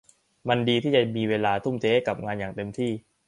มันดีที่จะได้มีเวลาทุ่มเทให้กับงานอย่างเต็มที่